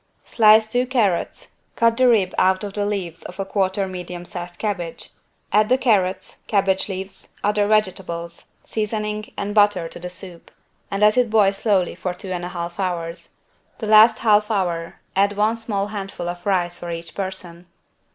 Slice two carrots, cut the rib out of the leaves of 1/4 medium sized cabbage. Add the carrots, cabbage leaves, other vegetables, seasoning and butter to the soup, and let it boil slowly for 2 1/2 hours. The last 1/2 hour add one small handful of rice for each person.